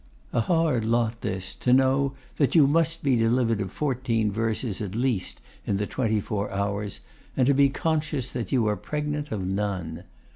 A hard lot this, to know that you must be delivered of fourteen verses at least in the twenty four hours, and to be conscious that you are pregnant of none.